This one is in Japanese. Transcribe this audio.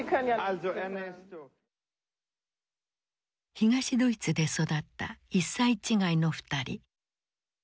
東ドイツで育った１歳違いの２人。